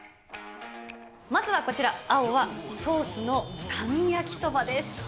まずはこちら、青はソースの神焼きそばです。